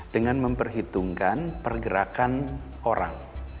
dengan memperhitungkan pergerakan orang